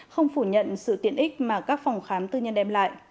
không phủ nhận sự tiện ích mà các phòng khám tư nhân đem lại